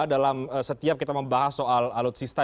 dalam setiap kita membahas soal alutsista